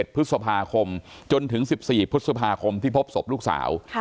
๑พฤษภาคมจนถึง๑๔พฤษภาคมที่พบศพลูกสาว